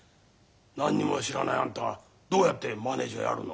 何にも知らないあんたがどうやってマネージャーやるの。